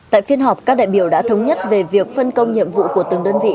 tại phiên họp các đại biểu đã thống nhất về việc phân công nhiệm vụ của từng đơn vị